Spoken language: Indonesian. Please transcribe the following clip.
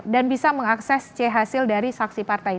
dan bisa mengakses c hasil dari saksi partai